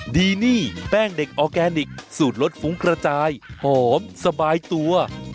ดีนี่แป้งเด็กออร์แกนิคสูตรรสฟุ้งกระจายหอมสบายตัว